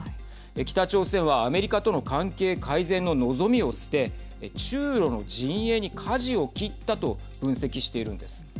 北朝鮮は、アメリカとの関係改善の望みを捨て中ロの陣営に、かじを切ったと分析しているんです。